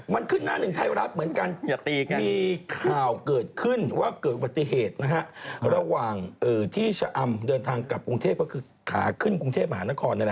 มันคือหน้าหนึ่งใท้รักเหมือนกัน